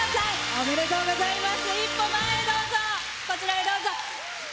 おめでとうございます。